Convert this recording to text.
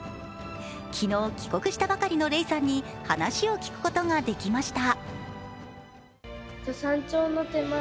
昨日帰国したばかりの嶺さんに話を聞くことができました。